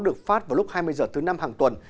được phát vào lúc hai mươi h thứ năm hàng tuần